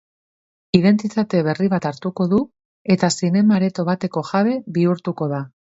Identitate berri bat hartuko du eta zinema-areto bateko jabe bihurtuko da.